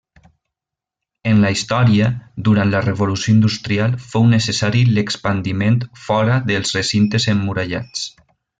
En la història, durant la revolució industrial fou necessari l'expandiment fora dels recintes emmurallats.